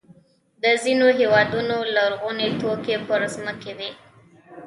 د ځینو هېوادونو لرغوني توکي پر ځمکې وي.